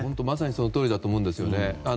まさにそのとおりだと思うんですよね。